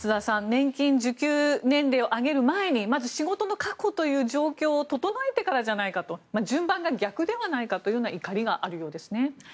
年金受給年齢を上げる前にまず仕事の確保という状況を整えてからじゃないかと順番が逆ではないかというような怒りがあるようですね。